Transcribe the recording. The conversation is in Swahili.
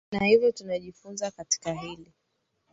na hivyo tunajifunza katika hili